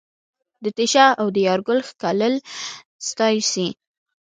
د تېشه او د یارګل ښکلل ستایل سي